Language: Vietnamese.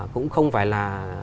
cũng không phải là